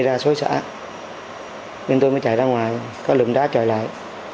tối sả bên tôi mới chạy ra ngoài có lụm đá chạy lại